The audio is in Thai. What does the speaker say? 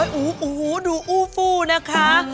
โอ้โหดูอู้ฟูนะคะ